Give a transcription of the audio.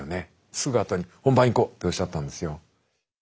すぐ後に「本番いこう」っておっしゃったんですよ。